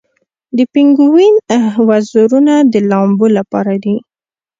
د پینګوین وزرونه د لامبو لپاره دي